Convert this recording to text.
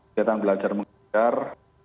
kita belajar mengajar